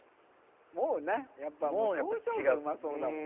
もうなやっぱもう表情がうまそうだもんね。